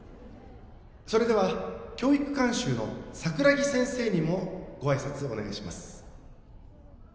それでは教育監修の桜木先生にもご挨拶をお願いします